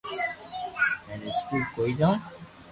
ھين اسڪول ڪوئي جاو